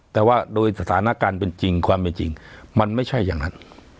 แต่ว่าโดยสถานการณ์เป็นจริงความเป็นจริงมันไม่ใช่อย่างนั้น